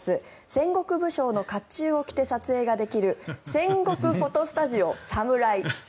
戦国武将の甲冑を着て撮影ができる戦国フォトスタジオＳＡＭＵＲＡＩ。